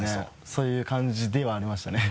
そういう感じではありましたね。